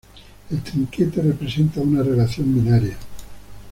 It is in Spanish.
El trinquete representa una relación binaria.